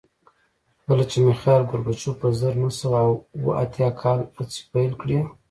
کله چې میخایل ګورباچوف په زر نه سوه اووه اتیا کال هڅې پیل کړې